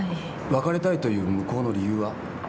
別れたいという向こうの理由は？